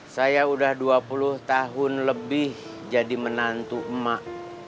saya udah dua puluh tahun lebih jadi menantu emak